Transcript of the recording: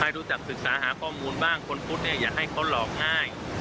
ให้รู้จักศึกษาหากภอมูลบ้างคนพุทธอย่าให้เค้าหลอกง่าย